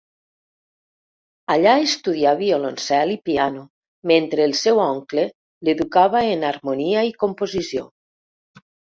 Allà estudià violoncel i piano, mentre el seu oncle l'educava en harmonia i composició.